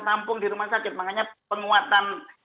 tampung di rumah sakit makanya penguatan